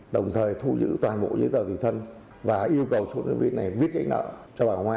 đồng thời thu giữ toàn bộ dưới tờ